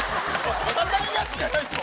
硬いやつじゃないと。